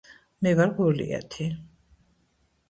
მე ვარ გოლიათი